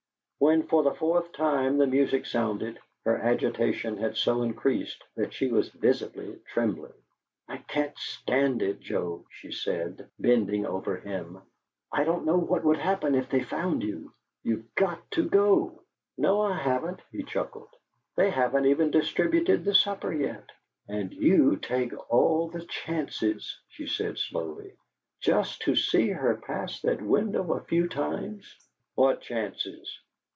When, for the fourth time, the music sounded, her agitation had so increased that she was visibly trembling. "I can't stand it, Joe," she said, bending over him. "I don't know what would happen if they found you. You've GOT to go!" "No, I haven't," he chuckled. "They haven't even distributed the supper yet!" "And you take all the chances," she said, slowly, "just to see her pass that window a few times." "What chances?"